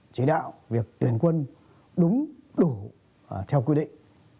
chỉ đạo việc tuyển quân đúng đủ theo quy định